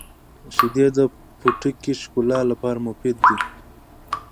• شیدې د پوټکي ښکلا لپاره مفیدې دي.